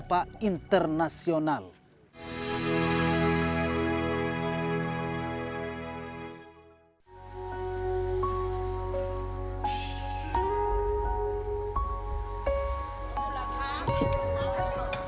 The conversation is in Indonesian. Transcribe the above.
yang berupa tampbuan mobiles atau sarat budaya atau netasures